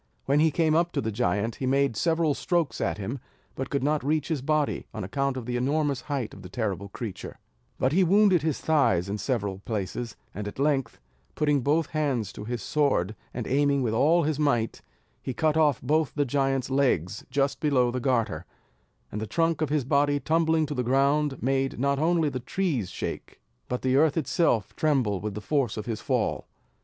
When he came up to the giant, he made several strokes at him, but could not reach his body, on account of the enormous height of the terrible creature, but he wounded his thighs in several places; and at length, putting both hands to his sword, and aiming with all his might, he cut off both the giant's legs just below the garter; and the trunk of his body tumbling to the ground, made not only the trees shake, but the earth itself tremble with the force of his fall.